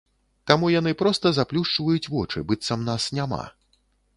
Таму яны проста заплюшчваюць вочы, быццам нас няма.